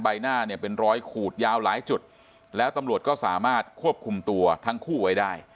ใบหน้าเนี่ยเป็นรอยขูดยาวหลายจุดแล้วตำรวจก็สามารถควบคุมตัวทั้งคู่ไว้ได้